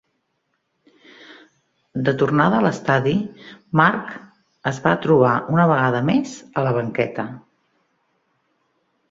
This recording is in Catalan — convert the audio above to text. De tornada a l'estadi Mark, es va trobar una vegada més a la banqueta.